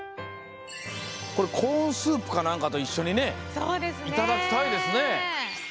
これコーンスープかなんかといっしょにねいただきたいですね。